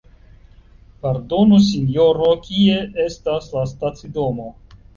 Pardonu sinjoro, kie estas la stacidomo?